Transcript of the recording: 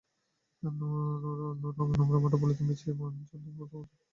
নোংরা মাঠের মধ্যে পলিথিন বিছিয়ে মমেন চন্দ্র বর্মণ প্রথম শ্রেণির পাঠদান করছেন।